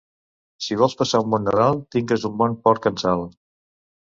Si vols passar un bon Nadal tingues un bon porc en sal.